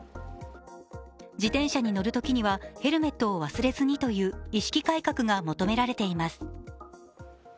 自転車に乗るときにはヘルメットを忘れずにという意識改革が求められています。